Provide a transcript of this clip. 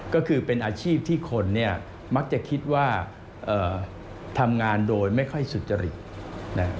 ก็คือเป็นอาชีพที่คนเนี่ยมักจะคิดว่าทำงานโดยไม่ค่อยสุจริตนะ